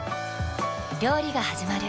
料理がはじまる。